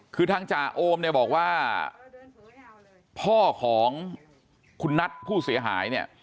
คือทางจ่าโอมบอกว่าพ่อของคุณนัทผู้เสียหาย